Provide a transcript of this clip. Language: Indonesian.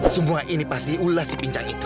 semua ini pasti ulas si pinjang itu